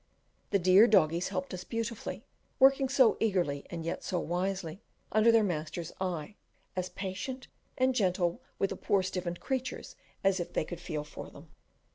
The dear doggies helped us beautifully, working so eagerly and yet so wisely under their master's eye, as patient and gentle with the poor stiffened creatures as if they could feel for them.